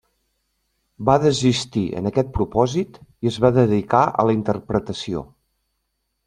Va desistir en aquest propòsit i es va dedicar a la interpretació.